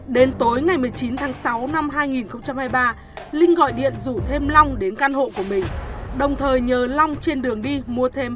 đến tối ngày một mươi chín tháng sáu năm hai nghìn hai mươi ba linh gọi điện rủ thêm long đến căn hộ của mình đồng thời nhờ long trên đường đi mua thêm